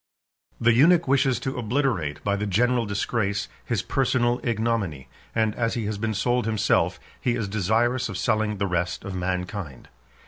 The eunuch wishes to obliterate, by the general disgrace, his personal ignominy; and as he has been sold himself, he is desirous of selling the rest of mankind.